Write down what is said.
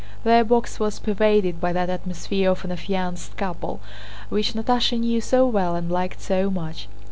Their box was pervaded by that atmosphere of an affianced couple which Natásha knew so well and liked so much.